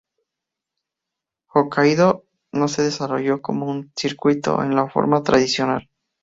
Hokkaido no se desarrolló como un "circuito" en la forma tradicional.